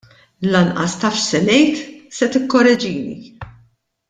Lanqas taf x'se ngħid, se tikkoreġini!